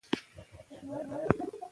زه د سیاسي علومو له څانګې څخه فارغ شوی یم.